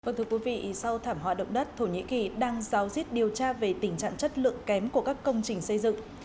vâng thưa quý vị sau thảm họa động đất thổ nhĩ kỳ đang giáo diết điều tra về tình trạng chất lượng kém của các công trình xây dựng